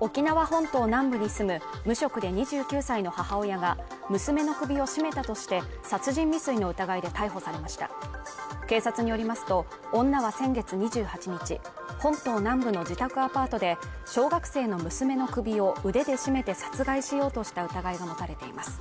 沖縄本島南部に住む無職で２９歳の母親が娘の首を絞めたとして殺人未遂の疑いで逮捕されました警察によりますと女は先月２８日本島南部の自宅アパートで小学生の娘の首を腕で絞めて殺害しようとした疑いが持たれています